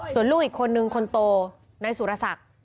ส่วนลูกอีกคนนึงคนโตนายสุรศักดิ์